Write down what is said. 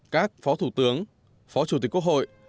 các phó thủ tướng phó chủ tịch quốc hội